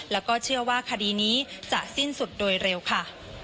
แล้วก็เชื่อว่าคดีนี้จะสิ้นสุดโดยเร็วค่ะ